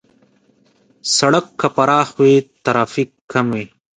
سړک که پراخ وي، ترافیک کم وي.